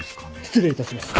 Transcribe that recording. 失礼いたします。